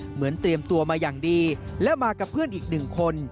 เตรียมตัวมาอย่างดีและมากับเพื่อนอีกหนึ่งคน